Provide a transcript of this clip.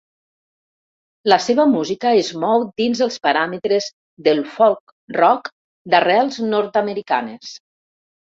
La seva música es mou dins els paràmetres del folk-rock d'arrels nord-americanes.